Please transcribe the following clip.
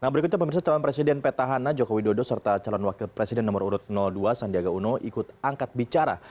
nah berikutnya pemirsa calon presiden petahana jokowi dodo serta calon wakil presiden nomor urut dua sandiaga uno ikut angkat bicara